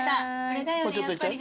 もうちょっといっちゃう？